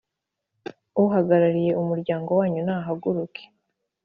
Uhagagarariye umuryango wanyu nahaguruke